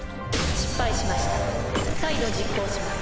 失敗しました再度実行します。